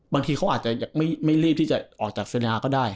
บางทีเขาอาจจะยังไม่รีบที่จะออกจากเซนาก็ได้